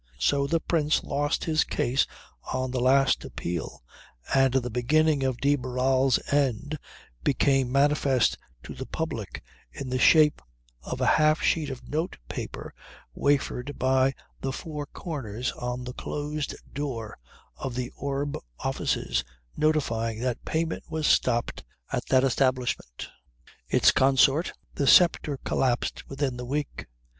So the prince lost his case on the last appeal and the beginning of de Barral's end became manifest to the public in the shape of a half sheet of note paper wafered by the four corners on the closed door of The Orb offices notifying that payment was stopped at that establishment. Its consort The Sceptre collapsed within the week.